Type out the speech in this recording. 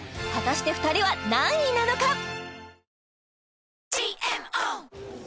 果たして２人は何位なのか？